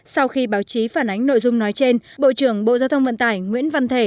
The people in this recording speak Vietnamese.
sau khi báo chí phản ánh nội dung nói trên bộ trưởng bộ giao thông vận tải nguyễn văn thể